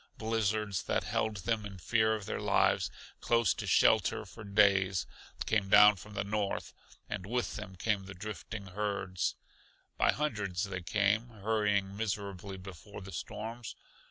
Blizzards that held them, in fear of their lives, close to shelter for days, came down from the north; and with them came the drifting herds. By hundreds they came, hurrying miserably before the storms.